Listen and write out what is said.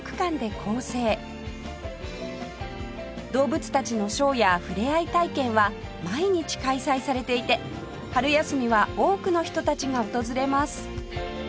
動物たちのショーやふれあい体験は毎日開催されていて春休みは多くの人たちが訪れます